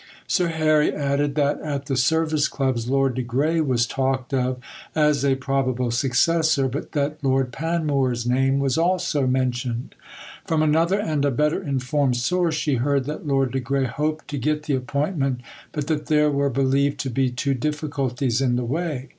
Sir Harry added that at the Service Clubs, Lord de Grey was talked of as a probable successor, but that Lord Panmure's name was also mentioned. From another and a better informed source she heard that Lord de Grey hoped to get the appointment, but that there were believed to be two difficulties in the way.